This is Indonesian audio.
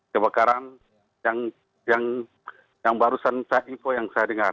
kebakaran yang barusan saya info yang saya dengar